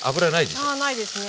あないですね。